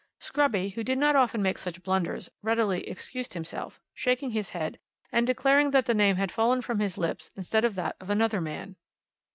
Scruby, who did not often make such blunders, readily excused himself, shaking his head, and declaring that the name had fallen from his lips instead of that of another man.